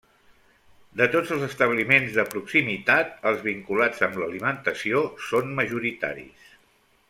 De tots els establiments de proximitat, els vinculats amb l'alimentació són majoritaris.